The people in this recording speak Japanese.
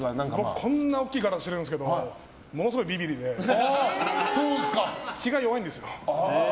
こんな大きい体してるんですけどものすごいビビリで気が弱いんですよ。